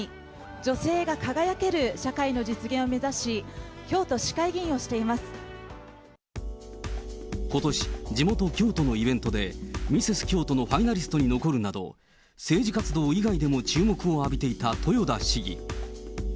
女性が輝ける社会の実現を目指し、ことし、地元、京都のイベントでミセス京都のファイナリストに残るなど、政治活動以外でも注目を浴びていた豊田市議。